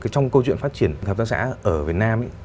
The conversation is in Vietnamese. trong câu chuyện phát triển hợp tác xã ở việt nam